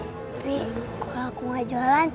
tapi kalau aku gak jualan